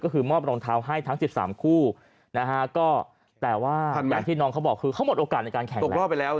ก็คือมอบรองเท้าให้ทั้ง๑๓คู่นะฮะก็แต่ว่าอย่างที่น้องเขาบอกคือเขาหมดโอกาสในการแข่งตกรอบไปแล้ว